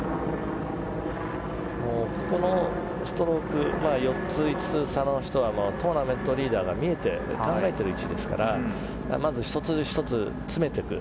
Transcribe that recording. ここのストロークは４つ、５つの差の人たちはトーナメントリーダーを考えている位置ですからまず１つ１つ詰めていく。